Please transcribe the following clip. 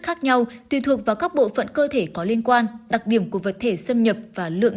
khác nhau tùy thuộc vào các bộ phận cơ thể có liên quan đặc điểm của vật thể xâm nhập và lượng